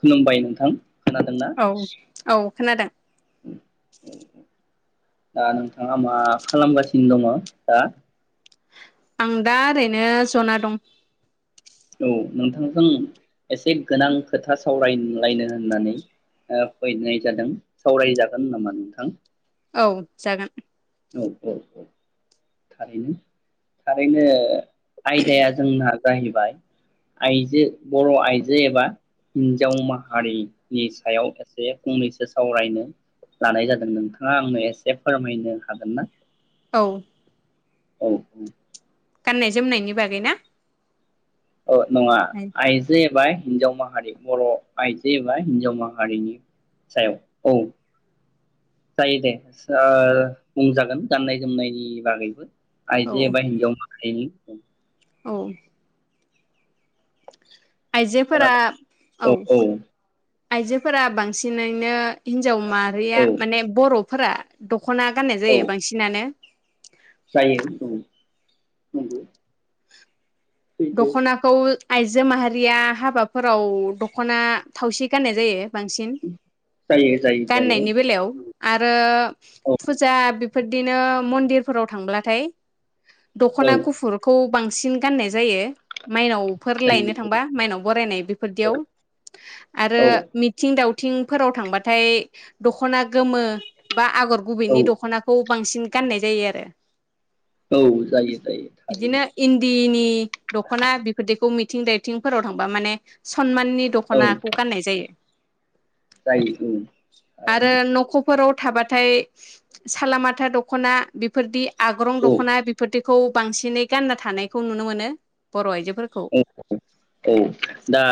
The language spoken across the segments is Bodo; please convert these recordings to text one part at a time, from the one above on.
खुलुमबाय नोंथां। खोनादोंना औ औ खोनादों। दा नोंथाङा मा खालामगासिनो दङ दा? आं दा ओरैनो जना दं। औ नोंथांजों एसे गोनां खोथा सावरायलायनो होननानै फैनाय जादों सावरायजागोन नामा नोंथां? औ जागोन। औ औ औ थारैनो थारैनो आयदाया जोंना जाहैबाय आइजो बर आइजो एबा हिनजाव माहारिनि सायाव एसे फंनैसो सावरायनो लानाय जादों नोंथाङा आंनो एसे फोरमायनो हागोन ना? औ। औ। गाननाय जोमनायनि बागै ना? औ नङा आइजो एबाय हिनजाव माहारि बर आइजो एबा हिन्जाव माहारिनि सायाव औ जायो दे ओ बुंजागोन गाननाय जोमनायनि बागैबो औ आइजो एबा हिनजाव माहारिनि खोनादों औ। आइजोफोरा औ। आइजोफोरा बांसिनैनो हिन हिनजाव औ माहारिया माने बर फोरा दखना गाननाय औ जायो बांसिनानो। जायो उम। नंगौ। सैथो दखनाखौ आइजो माहारिया हाबाफोराव दखना थावसि गाननाय जायो। बांसिन जायो जायो जायो गाननायनि बेलायाव। आरो औ फुजा फोर दिनो मन्दिरफोराव थांब्लाथाय औ दखना गुफुरखौ बांसिन गाननाय जायो। माइनाव फोर लायनो जायो औ थांबा माइनाव बरायनाय बेफोर दियाव। आरो औ मिथिं दाउ थिंफोराव थांबाथाय दखना गोमो बा आगर औ गुबैनि दखनाखौ बांसिन गाननाय जायो आरो। औ जायो जायो थारैनो। बिदिनो [unintelligible] दखना बेफोरदिखौ मिथिं दायथिंफोराव थांबा माने सनमान नि औ दखनाखौ गान्नाय जायो। जायो उम थारैनो। फोराव थाबाथाय सालामाथा दखना बेफोरदि आग्रं औ दखना बिफोरदि खौ बांसिनै गानना थानायखौ नुनो मोनो। बर आयजो औ औ औ। दा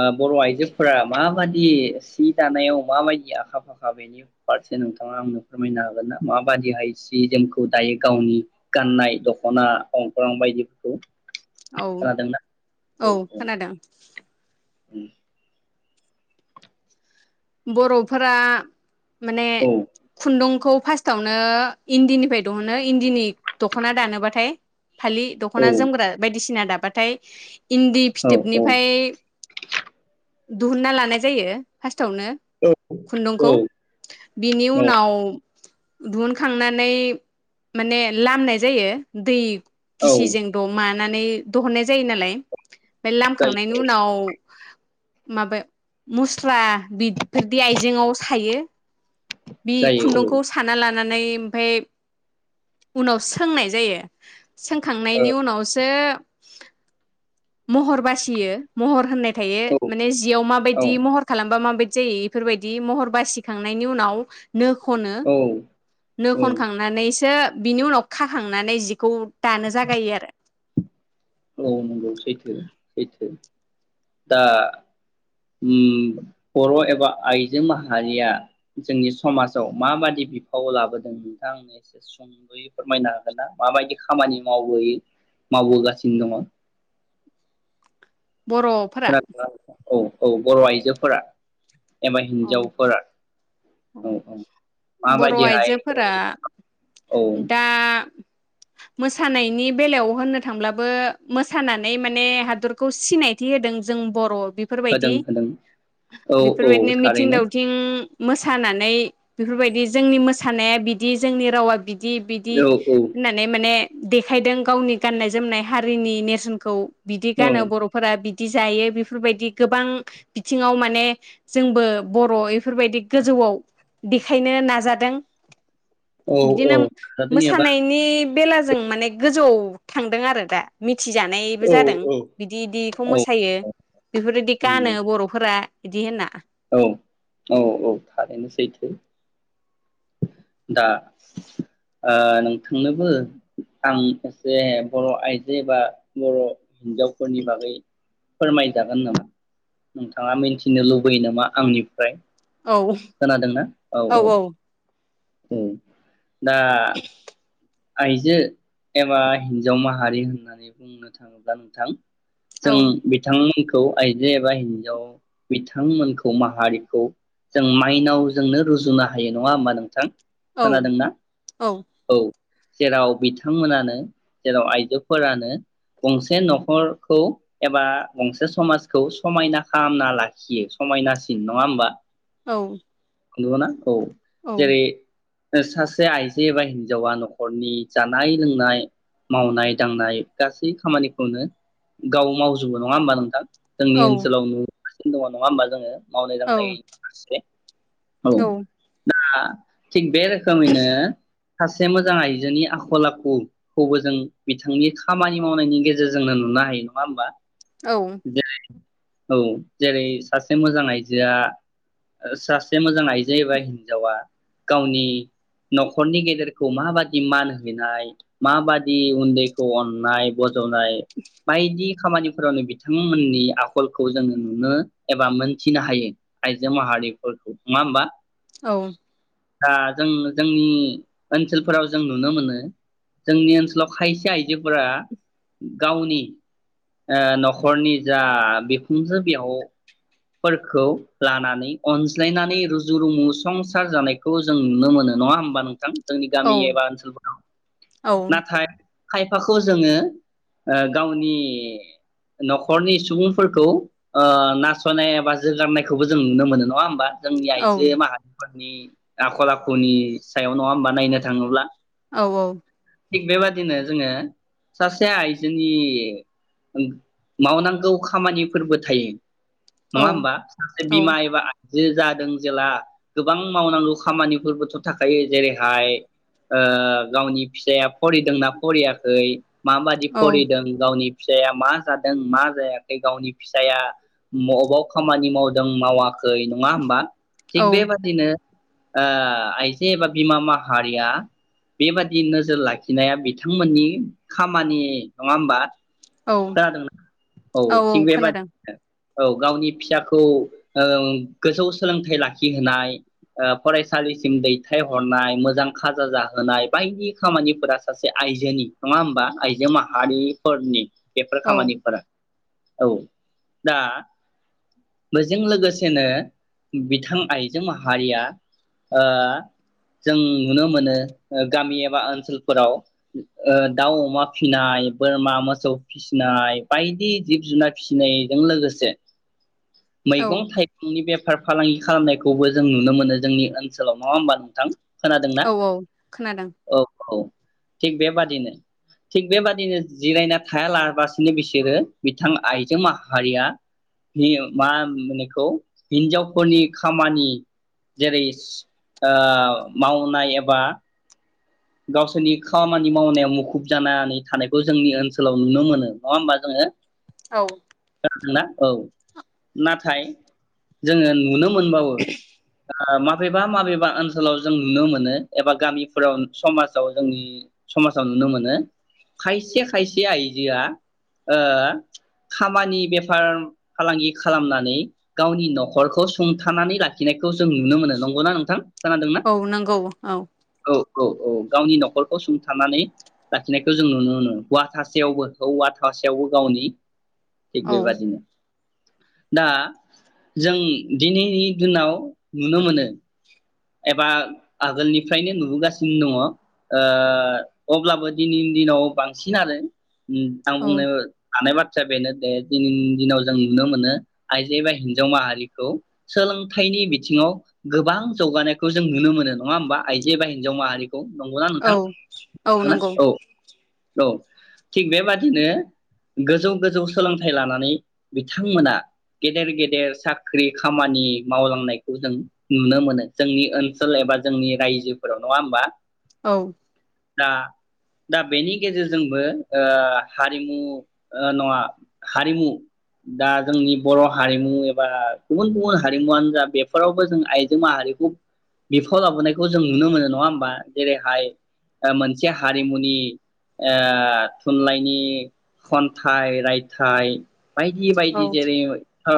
ओ बर' आइजो फोरा माबादि सि दानायाव माबायदि आखा फाखा बेनि फारसे नोंथाङा आंनो फोरमायनो हागोन ना? माबादिहाय सि जोमखौ दायो गावनि गाननाय दखना, अंख्रां बायदिफोरखौ? औ खोनादोंना औ खोनादों। उम। बरफोरा माने औ खुन्दुं खौ फार्स्टावनो इन्दिनिफ्राय दिहुनो, इन्दिनि दखना दानोबाथाय फालि, औ दखना, जोमग्रा बायदिसिना दाब बाथाय इन्दि औ फिथोबनिफ्राय दुहुनना लानाय जायो फास सावनो खुन्दुंखौ औ बिनि औ उनाव दुहुनखांनानै माने लामनाय जायो दै औ गिसिजों दमा नानै दोहुननाय जायो नालाय। फाय लामखांनायनि जायो उनाव माबे मुस्रा बिफोरदि आइजेंआव सायो। बि जायो खुन्दुंखौ साना ला नानै ओमफ्राय उनाव सोंनाय जायो। औ सोंखांनायनि उनावसो महर बासियो महर होननाय थायो। औ माने जियाव मा औ बायदि महर खालामबा मा बाय दि जायो इफोरबायदि महर बासिखांनायनि उनाव नो खनो। औ नो औ खनखांनानैसो बिनि उनाव खाखांनानै जिखौ दानो जागायो आरो औ नंगौ सैथो सैथो, दा उम बर' एबा आइजो माहारिया जोंनि समाजाव माबादि बिफाव लाबोदों नोंथां आंनो एसे सुंदयै फोरमायना हागोन ना माबायदि खामानि मावबोयै मावबोगासि नो दङ? बर'फोरा खोनादों ना? औ। औ बर' आइजोफोरा एबा औ हिनजावफोरा बर' आइजोफोरा औ दा मोसानायनि बेलायाव होननो थांब्लाबो मोसानानै माने हादरखौ सिनायथि होदों जों बर' होदों बेफोरबायदि। होदों औ औ बेफोरबायदिनो मिथिं थारैनो दावथिं मो सानानै बेफोरबायदि जोंनि मोसानाया बिदि जोंनि रावा बि दि बिदि औ होननानै माने देखायदों गावनि गाननाय जोमनाय हारिनि नेरसोनखौ बिदि गानो बर'फोरा बि दि जायो बेफोरबायदि गोबां बिथिङाव माने जोंबो बर' बेफोरबायदि गोजौआव देखायनो नाजादों। औ बिदिनो औ जादों एबा मोसानायनि बेला जों माने गोजौ थांदों आरो दा मि थि जानायबो औ जादों औ बिदि इदिखौ औ मोसायो बेफोरबायदि गानो नंगौ बर'फोरा बिदि होनना औ औ औ थारैनो सैथो दा ओ नोंथांनोबो आं एसे बर' आइजोबा बर' हिनजावफोरनि बागै फोरमायजागोन नामा। नोंथाङा मोनथिनो लुबैयो नामा आंनिफ्राय? औ खोनादोंना औ औ औ दा आइजो एबा हिनजाव माहारि होननानै बुंनो थाङोब्ला नोंथां जों बिथांमोन खौ आइजो एबा हिनजाव बिथांमोनखौ माहारिखौ जों माइनावजोंनो रुजुनो हायो नङा होमबा नोंथां? औ खोनादोंना? औ। जेराव बिथांमोनानो जेराव आइजोफोरानो गंसे न'खरखौ एबा गंसे समाजखौ समायना खालामना लाखियो समायनासिन नङा होमबा? औ नंगौना? औ। औ जेरै सासे आइजो एबा हिन्जावा न'खरनि जानाय लोंनाय मावनाय दांनाय गासै खामानिखौनो गाव मावजोबो नङा होमबा नोंथां? जोंनि औ ओनसोलाव नु गासिनो दङ नङा होमबा जोङो? मावनाय दांनाय औ फारसे औ आं थिग बे रोखोमैनो सासे मोजां आइजोनि आखल आखुखौबो जों बिथांनि खामानि मावनायनि गेजेरजोंनो नुनो हायो नङा होमबा? औ औ जेरै सासे मोजां आइजोआ ओ सा से मोजां आइजो बा हिनजावा गावनि न'खरनि गेदेरखौ माबादि मान हैनाय माबादि उन्दैखौ अननाय ब जनाय बायदि खामानिफोरावनो बिथांमोननि आखलखौ जोङो नुनो एबा मोनथिनो हायो आइजो माहारिफोरखौ। नङा होमबा? औ दा जों जोंनि ओनसोलफोराव जों नुनो मोनो जोंनि ओनसोलाव खायसे आइजोफोरा गावनि ओ न'खरनि जा बिखुनजो बिहाव फोरखौ लानानै अनज्लायनानै रुजु रुमु संसार जानायखौ जों नुनो मोनो नङा होमबा नोंथां? जोंनि गामि औ एबा ओनसोलफोराव नाथाय खायफाखौ जोङो ओ गावनि न'खरनि सुबुंफोरखौ ओ नास सनाय एबा जोगारनायखौबो जों नुनो मोनो नङा होमबा? जोंनि आइजो माहारिफोर नि आखल आखुनि सायाव नङा होमबा नायनो थाङोब्ला? औ औ थिग बेबादिनो जोङो सासे आइजोनि ओं मावनांगौ खामानिफोरबो थायो। नङा होमबा? सासे बिमा एबा आय जे जादों जेला गोबां मावनांगौ खामानिफोरबोथ' थाखायो जेरैहाय ओ गावनि फिसाया फरिदोंना फरियाखै माबादि फरिदों गावनि फिसाया मा जादों मा जायाखै गावनि फिसाया मबाव खामानि मावदों मावा खै नङा होमबा? थिग बेबादिनो ओ आइजो एबा बिमा माहारिया बेबादि नोजोर लाखिनाया बिथांमोननि खामानि नङा होमबा? औ खोनादों लोगो। औ थिग बेबादि औ गावनि फिसाखौ ओ गोजौ सोलोंथाइ लाखिहोनाय ओ फरायसालिसिम दैथायहरनाय मोजां खाजा जाहोनाय बायदि खामानिफोरा सासे आइजोनि नङा होमबा आइजो माहारिफोरनि बेफोर औ खामानिफोरा। औ दा बेजों लोगोसेनो बिथां आइजो माहारिया ओ जों नुनो मोनो ओ गामि एबा ओनसोलफोराव ओ दाउ अमा फिनाय बोरमा मोसौ फिसिनाय बायदि जिब जुनार फिसिनायजों लोगोसे औ मैगं थाइगंनि बे फार फालांगि खालामनायखौबो जों नुनो मोनो जोंनि ओनसोलाव नङा होमबा नोंथां। खोनादोंना औ खोनादों औ औ थिग बेबादिनो थिग बेबादिनो जिरायना। थाया लाबासिनो बिसोरो बिथां आइजो माहारिया मा मोनो बेखौ हिनजावफोरनि खामानि जेरै ओ मावनाय एबा गावसोरनि खामानि मावनायाव मुखुब जानानै थानायखौ जोंनि ओनसोलाव नुनो मोनो नङा होमबा जोङो। औ। [unintelligible] औ नाथाय जोङो नुनो मोनबावो दा मा माबेबा माबेबा ओनसोलाव जों नुनो मोनो एबा गामिफोराव समाजाव जोंनि समाजाव नुनो मोनो। खायसे खायसे आइजोआ ओ खामानि बेफार फालांगि खालामनानै गावनि नखरखौ सुंथानानै लाखिनायखौ जों नुनो मोनो। नंगौना नोंथां? खोनादोंना औ नंगौ औ औ औ औ गावनि नखरखौ सुंथानानै लाखिनायखौ जों नुनो मोनो हौवा थासेयावबो हौवा थासेयावबो गावनि थिग औ बेबादिनो दा जों दिनैनि दिनाव नुनो मोनो। एबा आगोलनिफ्रायनो नुबोगासिनो दङ ओ अब्लाबो दिनैनि दिनाव बांसिन आरो ओम आं औ बुंनो हानाय बा थ्रा बेनो दे दिनैनि दिनाव जों नुनो मोनो आइजो एबा हिनजाव माहारिखौ सोलोंथाइनि बिथिङाव गोबां जगानायखौ जों नुनो मोनो नङा होमबा आइजो एबा हिनजाव माहारि खौ नंगौना औ नोंथां औ खोनादोंना? नंगौ औ औ थिग बेबादिनो गोजौ गोजौ सोलोंथाइ लानानै बिथांमोना गेदेर गेदेर साख्रि खामानि मावलांनायखौ जों नुनो मोनो। जोंनि ओनसोल एबा जोंनि रायजोफोराव नङा होमबा। औ दा दा बेनि गेजेरजोंबो ओ हारिमु ओ नङा हारिमु दा जोंनि बर हारिमु एबा गुबुन गुबुन हारिमुवानो जा बेफोरावबो जों आइजो माहारि खुब बिफाव लाबोनायखौ जों नुनो मोनो नङा होमबा जेरैहाय ओ मोनसे हारिमुनि ओ थुनलाइनि खनथाइ रायथाइ बायदि औ बायदि जेरै ओ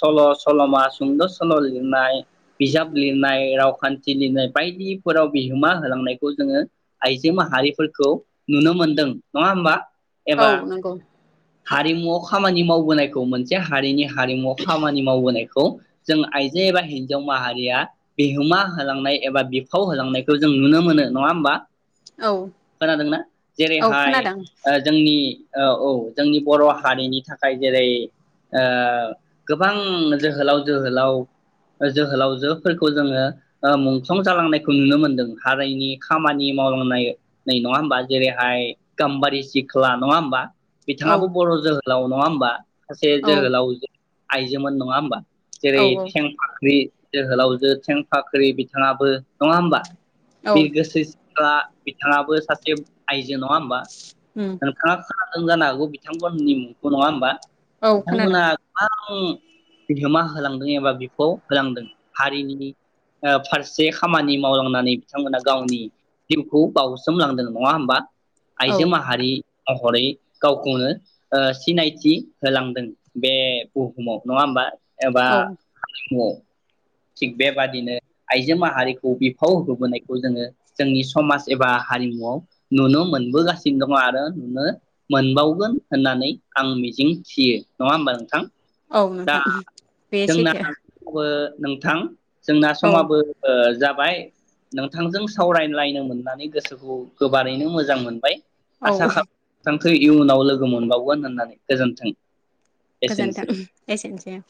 सल सलमा सुंद सल लिरनाय बिजाब लिरनाय रावखानथि लिरनाय बायदिफोराव बिहोमा होलांनायखौ जोङो आइजो माहारिफोरखौ नुनो मोनदों नङा होमबा औ एबा नंगौ हारिमु खामानि मावबोनायखौ मोनसे हारिनि हारिमुवाव खामानि मावबोनायखौ जों आइजो एबा हिनजाव माहारिया बिहोमा होलांनाय एबा बिफाव होलांनायखौ जों नुनो मोनो नङा होमबा। औ खोनादोंना औ जेरैहाय खोनादों ओ जोंनि ओ औ जोंनि बर' हारिनि थाखाय जेरै ओ गोबां जोहोलाव जोहोलाव जोहोलावजो फोरखौ जोङो ओ मुंख्लं जालांनायखौ नुनो मोनदों हारिनि खामानि मावलांनाय नङा होमबा जेरैहाय गाम्बारि सिख्ला नङा होमबा? औ बिथाङाबो बर' जोहोलाव नङा होमबा? सासे औ जोहोलावजो आइजोमोन नङा होमबा? औ जेरै थेंफाख्रि जोहोलाव जो थेंफाख्रि बिथाङाबो नङा होमबा? औ बिरगोस्रि सिख्ला बिथाङाबो सासे आइजो नङा होमबा उम नोंथाङा खोना दों जानो हागौ बिथांमोननि मुंखौ नङा होमबा? औ बिथांमोना खोनादों गोबां बिहोमा होलांदों एबा बिफाव होलांदों हारिनि ओ फारसे खामानि मावलांनानै बिथांमोना गावनि जिउखौ बावसोमलांदों नङा होमबा? आइजो माहारि महरै गावखौनो ओ सिनायथि होलांदों बे बुहुमाव नङा होमबा? एबा औ [unintelligible] थिग बेबादिनो आइजो माहारिखौ बिफाव होबोनायखौ जोङो जोंनि समाज एबा हारिमुवाव नुनो मोनबोगासिनो दङ आरो नुनो मोनबावगोन होननानै आं मिजिं थियो नङा होमबा नोंथां? औ दा नोंथां बेयो जोंना सैथो। बो नोंथां जोंना औ समाबो ओ जा बाय नोंथांजों सावरायलायनो मोननानै गोसोखौ गोबारैनो मोजां मोनबाय औ आसा खा थां [unintelligible] इयुनाव लोगो मोनबावगोन होननानै गोजोनथों। गोजोन्थों एसेनोसै।